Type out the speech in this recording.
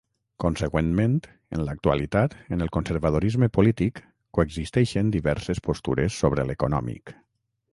Consegüentment, en l'actualitat en el conservadorisme polític coexisteixen diverses postures sobre l'econòmic.